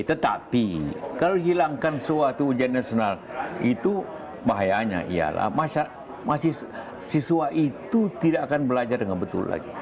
tetapi kalau hilangkan suatu ujian nasional itu bahayanya ialah siswa itu tidak akan belajar dengan betul lagi